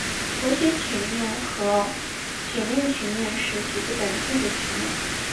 螺旋曲面和悬链曲面是局部等距的曲面。